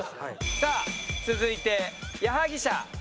さあ続いて矢作舎。